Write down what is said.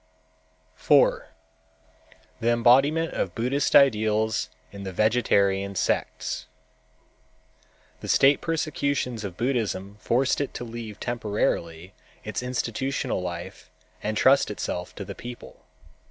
4. The Embodiment of Buddhist Ideals in the Vegetarian sects The state persecutions of Buddhism forced it to leave temporarily its institutional life and trust itself to the people.